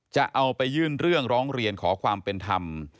จะเอาไปยื่นเรื่องร้องเรียนขอความเป็นธรรม